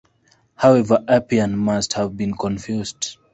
However, Appian must have been confused.